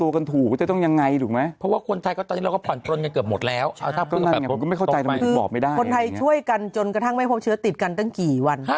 คนไทยช่วยกันจนกระทั่งไม่พบเชื้อติดกันตั้งกี่วัน